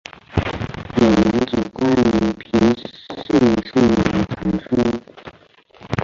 有两种关于和平寺历史的传说。